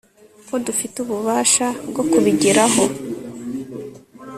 ko dufite ububasha bwo kubigeraho